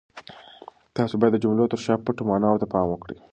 تاسو باید د جملو تر شا پټو ماناوو ته پام وکړئ.